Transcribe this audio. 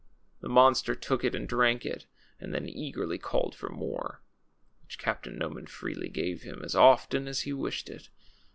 The monster took it and drank it, and then eagerly called for more, Avhich Captain Nonian freely gave him as often as he Avished it.